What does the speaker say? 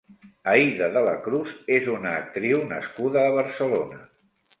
Aida de la Cruz és una actriu nascuda a Barcelona.